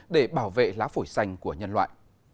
để bảo vệ lá phổi xanh của nhân loại